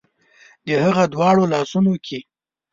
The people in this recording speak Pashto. د هغه دواړو لاسونو کې